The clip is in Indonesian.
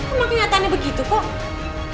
emang kenyataannya begitu kok